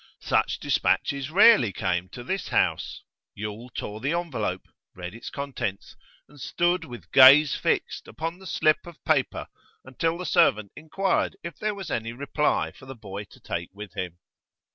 Such despatches rarely came to this house; Yule tore the envelope, read its contents, and stood with gaze fixed upon the slip of paper until the servant inquired if there was any reply for the boy to take with him.